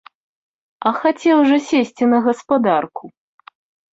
А хацеў жа сесці на гаспадарку?